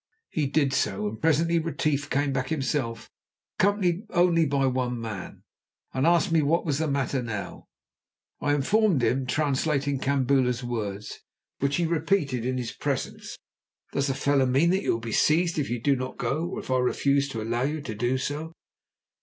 He did so, and presently Retief came back himself accompanied only by one man, and asked me what was the matter now. I informed him, translating Kambula's words, which he repeated in his presence. "Does the fellow mean that you will be seized if you do not go, or I refuse to allow you to do so?"